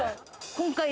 今回。